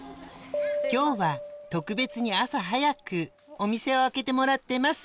今日は特別に朝早くお店を開けてもらってます